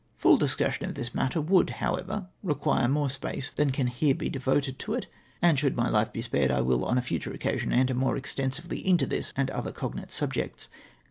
Full discussion of this matter woidd, however, re quire more space than can here be devoted to it, and shoidd my life be s})ared I w^ll on a futm^e occasion enter more extensively into this and other cognate subjects.